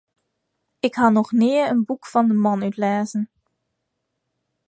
Ik ha noch nea in boek fan de man útlêzen.